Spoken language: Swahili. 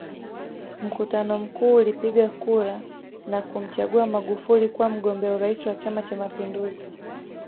Mkutano mkuu ulipiga kura na kumchagua Magufuli kuwa mgombea urais wa Chama Cha Mapinduzi